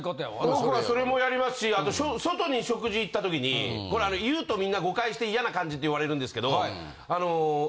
僕はそれもやりますしあと外に食事行った時にこれ言うとみんな誤解して嫌な感じって言われるんですけど。